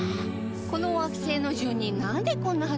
この惑星の住人なんでこんな働くの？